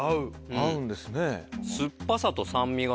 合うんですね。